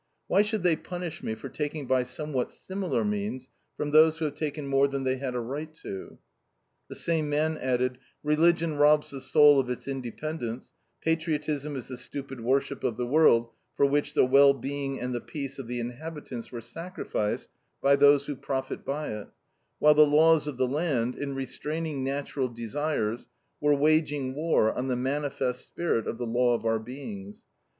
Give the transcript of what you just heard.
Why should they punish me for taking by somewhat similar means from those who have taken more than they had a right to?" The same man added: "Religion robs the soul of its independence; patriotism is the stupid worship of the world for which the well being and the peace of the inhabitants were sacrificed by those who profit by it, while the laws of the land, in restraining natural desires, were waging war on the manifest spirit of the law of our beings.